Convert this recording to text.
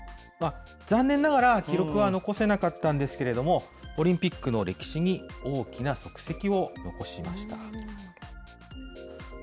残念ながら、記録は残せなかったんですけれども、オリンピックの歴史に大きな足跡を残しました。